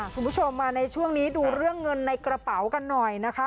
คุณผู้ชมมาในช่วงนี้ดูเรื่องเงินในกระเป๋ากันหน่อยนะคะ